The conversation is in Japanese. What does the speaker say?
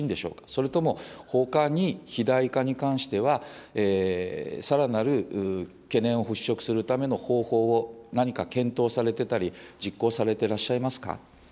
それともほかに、肥大化に関しては、さらなる懸念を払拭するための方法を、何か検討されてたり、実行されてらっしゃいますか。